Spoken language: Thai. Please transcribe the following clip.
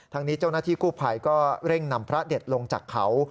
นี้เจ้าหน้าที่กู้ภัยก็เร่งนำพระเด็ดลงจากเขา